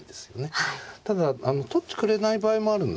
ただ取ってくれない場合もあるんですよね。